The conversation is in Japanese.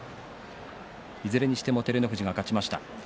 いずれにしても照ノ富士が勝ちました。